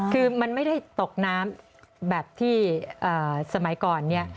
คือมันไม่ได้ตกน้ำแบบที่สมัยก่อนเนี่ย